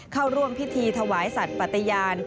เข้าร่วมพิธีถวายสัตว์ปฏิญาณ